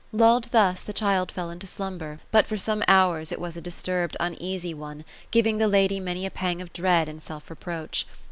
Lulled thus, the child fell into slumber ; but for some hours it was a disturbed, uneasy one, giTing the lady many a pang of dread and self reproach.